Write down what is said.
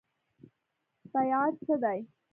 بیعت څه دی؟